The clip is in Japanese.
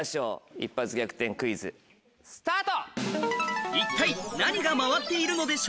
一発逆転クイズスタート！